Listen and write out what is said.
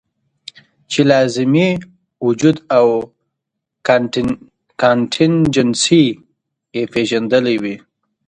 چې لازمي وجود او کانټينجنسي ئې پېژندلي وے -